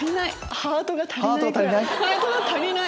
ハートが足りない？